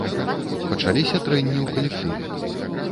Пачаліся трэнні ў калектыве.